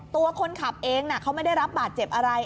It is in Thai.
ตัวคนขับเองเขาไม่ได้รับบาดเจ็บอะไร